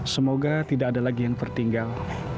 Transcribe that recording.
semoga tidak ada lagi yang tertinggal